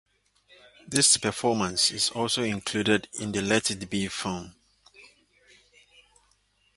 This performance is also included in the "Let It Be" film.